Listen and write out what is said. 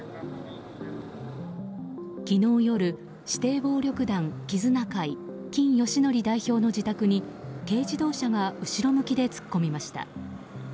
昨日夜、指定暴力団絆會金禎紀代表の自宅に軽自動車が後ろ向きで突っ込みました。